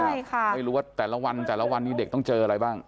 ใช่ค่ะไม่รู้ว่าแต่ละวันแต่ละวันนี้เด็กต้องเจออะไรบ้าง